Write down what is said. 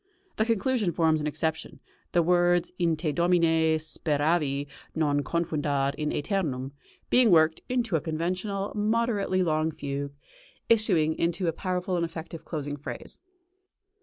The conclusion forms an exception, the words, "In Te Domine speravi, non confundar in ætemum" being worked into a conventional, moderately long fugue, issuing into a powerful and effective closing phrase.